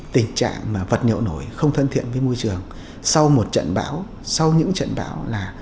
tình trạng mà vật liệu nổi không thân thiện với môi trường sau một trận bão sau những trận bão là